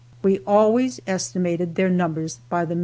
We always estimated their numbers by the million.